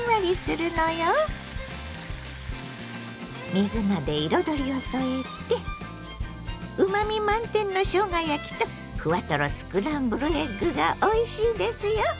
水菜で彩りを添えてうまみ満点のしょうが焼きとふわとろスクランブルエッグがおいしいですよ。